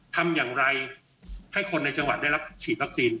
ทำอย่างไรให้คนในจังหวัดได้รับฉีดวัคซีน